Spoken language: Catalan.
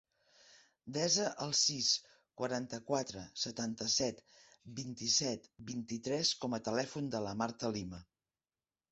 Desa el sis, quaranta-quatre, setanta-set, vint-i-set, vint-i-tres com a telèfon de la Marta Lima.